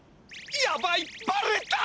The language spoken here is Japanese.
やばいバレた！